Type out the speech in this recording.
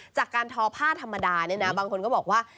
จากการทอผ้าธรรมดาเนี่ยนะบางคนก็บอกว่า